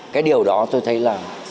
cái điều đó tôi thấy là